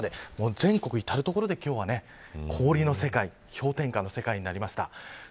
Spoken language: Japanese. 全国至る所で今日は氷の世界氷点下の世界になりました。